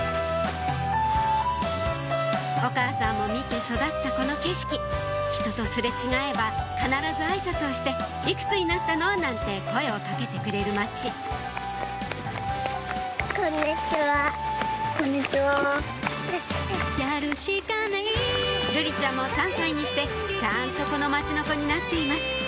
お母さんも見て育ったこの景色人と擦れ違えば必ずあいさつをして「いくつになったの？」なんて声を掛けてくれる町瑠璃ちゃんも３歳にしてちゃんとこの町の子になっています